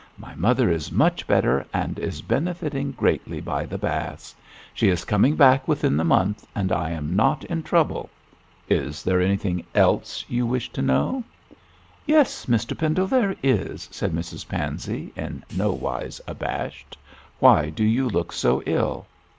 My mother is much better, and is benefiting greatly by the baths. She is coming back within the month, and I am not in trouble. Is there anything else you wish to know?' 'Yes, Mr Pendle, there is,' said Mrs Pansey, in no wise abashed. 'Why do you look so ill?'